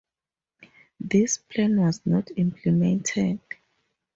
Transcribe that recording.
This plan was not implemented.